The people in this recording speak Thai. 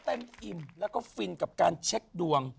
อิ่มแล้วก็ฟินกับการเช็คดวง